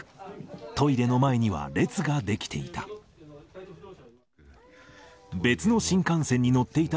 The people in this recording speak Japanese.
トイレの前には列が出来ていた。